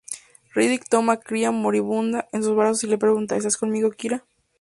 Riddick toma a Kyra moribunda en sus brazos y la pregunta: ""¿Estás conmigo Kira?